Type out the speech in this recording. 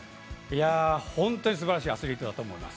本当にすばらしいアスリートだと思います。